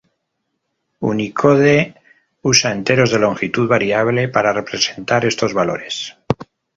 Unicode usa enteros de longitud variable para representar estos valores.